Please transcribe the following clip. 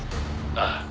「ああ。